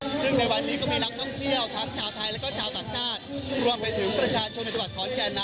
ซึ่งในวันนี้ก็มีนักท่องเที่ยวทั้งชาวไทยแล้วก็ชาวต่างชาติ